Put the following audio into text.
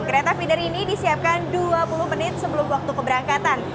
kereta feeder ini disiapkan dua puluh menit sebelum waktu keberangkatan